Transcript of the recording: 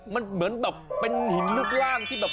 มันเหมือนแบบเป็นหินรูปร่างที่แบบ